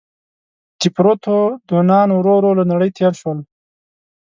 دیپروتودونان ورو ورو له نړۍ تېر شول.